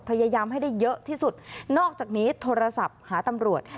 พยายามให้ได้เยอะที่สุดนอกจากนี้โทรศัพท์หาตำรวจ